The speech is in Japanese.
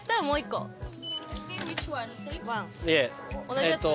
同じやつ？